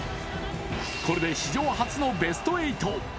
これで史上初のベスト８。